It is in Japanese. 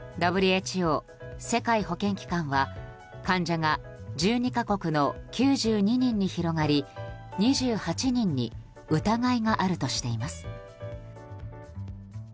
ＷＨＯ・世界保健機関は患者が１２か国の９２人に広がり２８人に疑いがあるとしています。